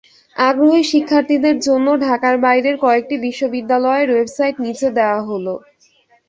আগ্রহী শিক্ষার্থীদের জন্য ঢাকার বাইরের কয়েকটি বিশ্ববিদ্যালয়ের ওয়েবসাইট নিচে দেওয়া হলো।